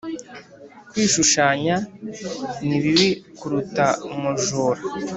kwishushanya ni bibi kuruta umujura.